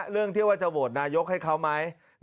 เรื่องที่ว่าจะโหวตนายกให้เขาไหม